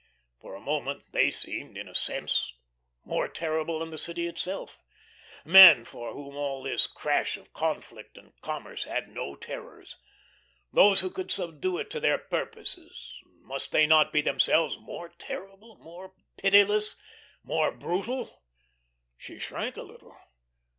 For a moment they seemed, in a sense, more terrible than the city itself men for whom all this crash of conflict and commerce had no terrors. Those who could subdue it to their purposes, must they not be themselves more terrible, more pitiless, more brutal? She shrank a little.